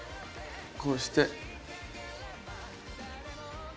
こうして。